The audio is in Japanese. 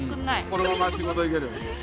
このまま仕事行けるよね